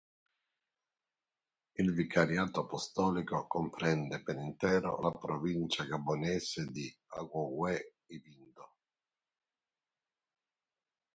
Il vicariato apostolico comprende per intero la provincia gabonese di Ogooué-Ivindo.